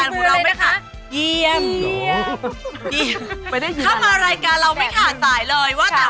ผมบอกตรงเลยนะว่า